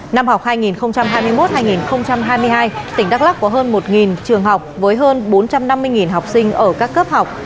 năm học hai nghìn hai mươi một hai nghìn hai mươi hai tỉnh đắk lắc có hơn một trường học với hơn bốn trăm năm mươi học sinh ở các cấp học